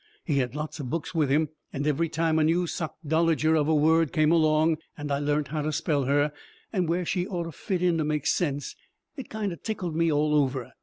He had lots of books with him and every time a new sockdologer of a word come along and I learnt how to spell her and where she orter fit in to make sense it kind o' tickled me all over.